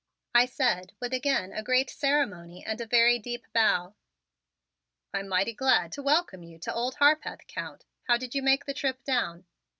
I said with again a great ceremony and a very deep bow. "I'm mighty glad to welcome you to Old Harpeth, Count. How did you make the trip down?